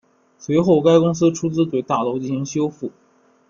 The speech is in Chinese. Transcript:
随后该公司出资对大楼进行修复。